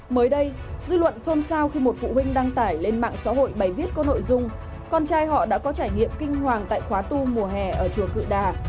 mới đây dư luận xôn xao khi một phụ huynh đăng tải lên mạng xã hội bài viết có nội dung con trai họ đã có trải nghiệm kinh hoàng tại khóa tu mùa hè ở chùa cự đà